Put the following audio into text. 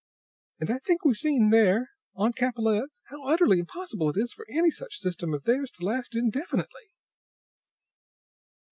And I think we've seen there on Capellette how utterly impossible it is for any such system as theirs to last indefinitely."